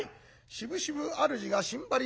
しぶしぶ主がしんばり